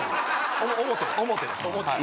表表です。